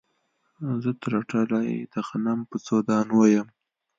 زه ترټلي د غنم په څو دانو یم